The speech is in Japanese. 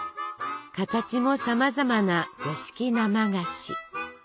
形もさまざまな五色生菓子！